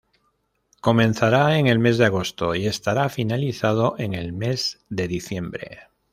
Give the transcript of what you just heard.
Comenzará en el mes de agosto y estará finalizado en el mes de diciembre.